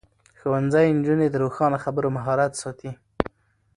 ښوونځی نجونې د روښانه خبرو مهارت ساتي.